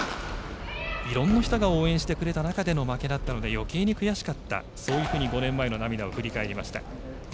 いろんな人が応援してくれた中での負けだったのでよけいに悔しかったそういうふうに５年前の涙を振り返りました。